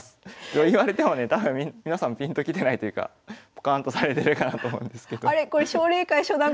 言われてもね多分皆さんピンときてないというかぽかんとされてるかなと思うんですけど。